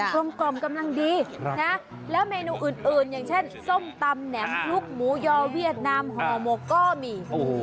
ลมกล่อมกำลังดีนะแล้วเมนูอื่นอย่างเช่นส้มตำแหนมคลุกหมูยอเวียดนามห่อหมกก็มี